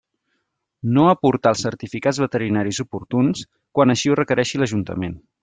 No aportar els certificats veterinaris oportuns quan així ho requereixi l'Ajuntament.